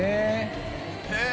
えっ。